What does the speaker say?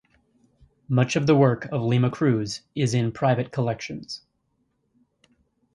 Much of the work of Lima Cruz is in private collections.